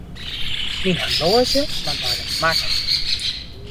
Myn horloazje moat nei de makker.